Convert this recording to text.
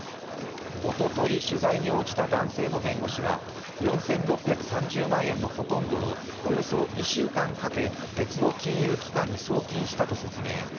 おととい、取材に応じた男性の弁護士は４６３０万円のほとんどをおよそ２週間かけ、別の金融機関に送金したと説明。